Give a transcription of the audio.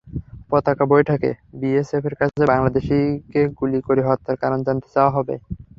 পতাকা বৈঠকে বিএসএফের কাছে বাংলাদেশিকে গুলি করে হত্যার কারণ জানতে চাওয়া হবে।